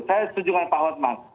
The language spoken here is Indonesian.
saya setuju dengan pak hotman